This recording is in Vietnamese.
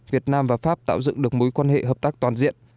việt nam và pháp tạo dựng được mối quan hệ hợp tác toàn diện